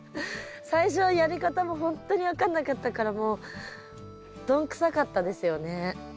最初はやり方もほんとに分かんなかったからもうどんくさかったですよね。